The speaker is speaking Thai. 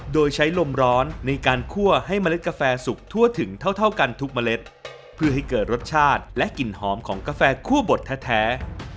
โดยใช้ลมร้อนในการคั่วให้เมล็ดกาแฟสุกทั่วถึงเท่ากันทุกเมล็ดเพื่อให้เกิดรสชาติและกลิ่นหอมของกาแฟคั่วบดแท้